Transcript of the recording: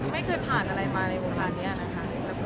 ไม่เคยผ่านอะไรมาในเวลานี้นะคะ